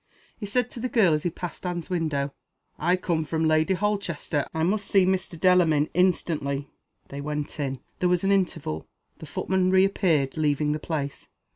He said to the girl as he passed Anne's window, "I come from Lady Holchester; I must see Mr. Delamayn instantly." They went in. There was an interval. The footman reappeared, leaving the place.